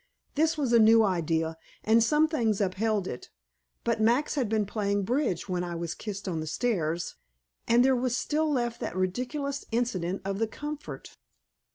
This was a new idea, and some things upheld it, but Max had been playing bridge when I was kissed on the stairs, and there was still left that ridiculous incident of the comfort.